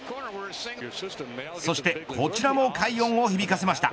そしてこちらも快音を響かせました。